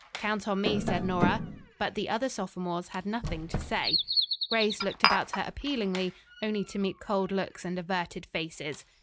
"Count on me," said Nora. But the other sophomores had nothing to say. Grace looked about her appealingly, only to meet cold looks and averted faces.